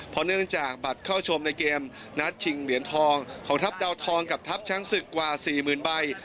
เพราะเนื่องจากบัตรเข้าชมในเกมนัดชิงเหรียญทองของทัพดาวทองกับทัพช้างศึกกว่า๔๐๐๐ใบ